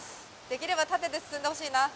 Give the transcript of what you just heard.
できれば縦で進んでほしいな。